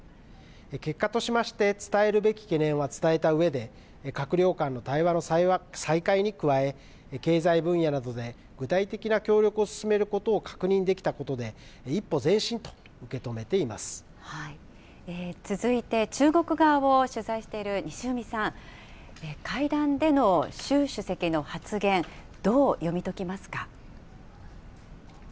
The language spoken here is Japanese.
結果としまして、伝えるべき懸念は伝えたうえで、閣僚間の対話の再開に加え、経済分野などで具体的な協力を進めることを確認できたことで、一歩前進と受け止めて続いて、中国側を取材している西海さん、会談での習主席の発言、どう読み解きますか。